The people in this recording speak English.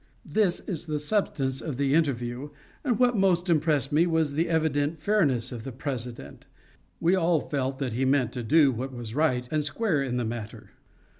This is the substance of the interview, and what most impressed me was the evident fairness of the President. We all felt that he meant to do what was right and square in the matter.